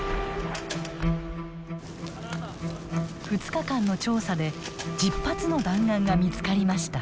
２日間の調査で１０発の弾丸が見つかりました。